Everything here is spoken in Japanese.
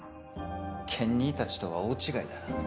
健兄たちとは大違いだな